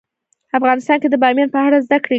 افغانستان کې د بامیان په اړه زده کړه کېږي.